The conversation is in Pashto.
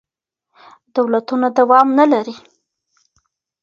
دولتونه دوام نه لري.